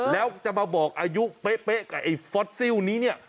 แล้วจะมาบอกอายุเป๊ะกับไอ้ฟอสซิลนี้เนี่ย